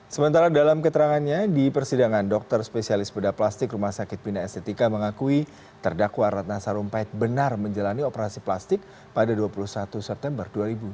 sementara dalam keterangannya di persidangan dokter spesialis bedah plastik rumah sakit bina estetika mengakui terdakwa ratna sarumpait benar menjalani operasi plastik pada dua puluh satu september dua ribu dua puluh